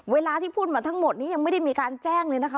เวลาที่พูดมาทั้งหมดนี้ยังไม่ได้มีการแจ้งเลยนะคะ